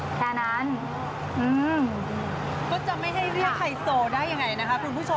ก็จะไม่ให้เรียกไฮโซได้อย่างไรนะคะ